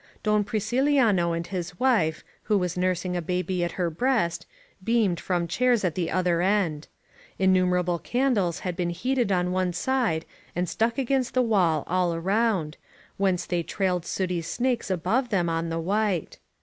Don Friciliano and his wife, who was nursing a baby at her breast, beamed from chairs at the other end. Innumerable candles had been heated on one side and stuck against the wall all around, whence they trailed sooty snakes above them on the white.